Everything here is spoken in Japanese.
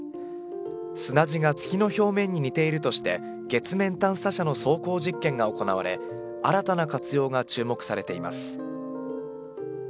砂地が月の表面に似ているとして月面探査車の走行実験が行われ新たな活用が注目されています。